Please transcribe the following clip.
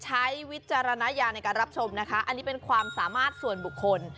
วิจารณญาในการรับชมนะคะอันนี้เป็นความสามารถส่วนบุคคล